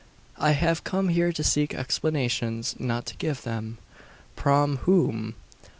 I have come here to seek explanations, not to give them." "Prom whom?"